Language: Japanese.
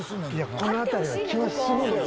この辺りな気はするのよ。